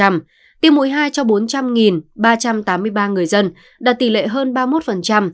tiêm mũi hai cho bốn trăm linh ba trăm tám mươi ba người dân đạt tỷ lệ hơn ba mươi một